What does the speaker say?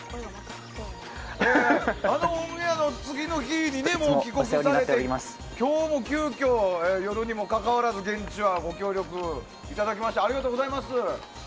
あのオンエアの次の日に帰国されて、今日も急きょ夜にもかかわらず現地でご協力していただきありがとうございます。